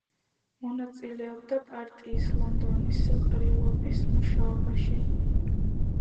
მონაწილეობდა პარტიის ლონდონის ყრილობის მუშაობაში.